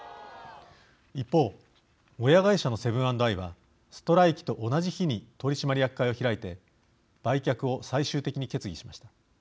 一方、親会社のセブン＆アイはストライキと同じ日に取締役会を開いて売却を最終的に決議しました。